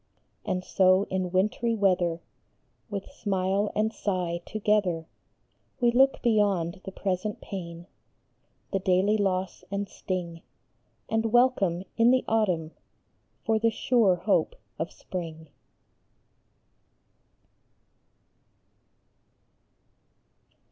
And so in wintry weather, With smile and sigh together, We look beyond the present pain, The daily loss and sting, And welcome in the autumn For the sure hope of spring.